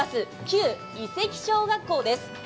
旧井関小学校です。